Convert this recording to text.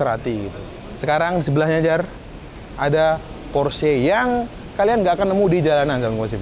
rati sekarang sebelahnya jar ada porsche yang kalian gak akan nemu di jalanan yang musik